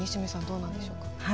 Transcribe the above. どうなんでしょうか？